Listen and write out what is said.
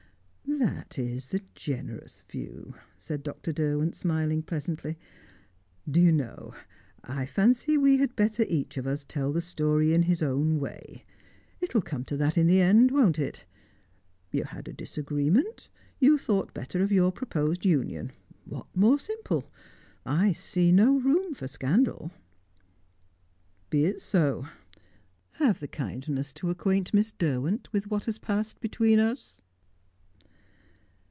"That is the generous view," said Dr. Derwent, smiling pleasantly. "Do you know, I fancy we had better each of us tell the story in his own way. It will come to that in the end, won't it? You had a disagreement; you thought better of your proposed union; what more simple? I see no room for scandal." "Be it so. Have the kindness to acquaint Miss Derwent with what has passed between us."